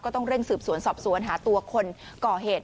ต้องเร่งสืบสวนสอบสวนหาตัวคนก่อเหตุ